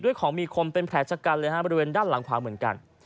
ของมีคมเป็นแผลชะกันเลยฮะบริเวณด้านหลังขวาเหมือนกัน